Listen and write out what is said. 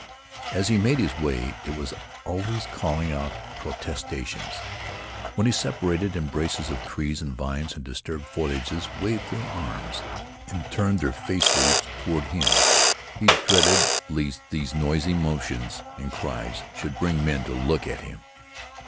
As he made his way, it was always calling out protestations. When he separated embraces of trees and vines the disturbed foliages waved their arms and turned their face leaves toward him. He dreaded lest these noisy motions and cries should bring men to look at him.